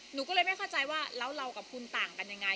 หนูก็เลยไม่เข้าใจว่าแล้วเรากับคุณต่างกันยังไง